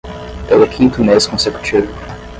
Pelo quinto mês consecutivo